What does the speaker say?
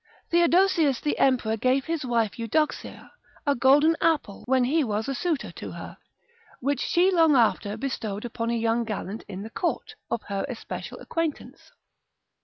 Theodosius the emperor gave his wife Eudoxia a golden apple when he was a suitor to her, which she long after bestowed upon a young gallant in the court, of her especial acquaintance.